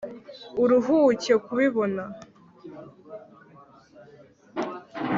Uruhuke kubibona.